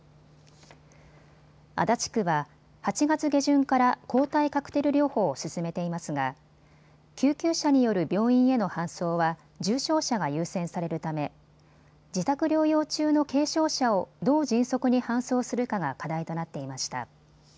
足立区は８月下旬から抗体カクテル療法を進めていますが救急車による病院への搬送は重症者が優先されるため自宅療養中の軽症者をどう迅速に搬送するかが課題となっていました。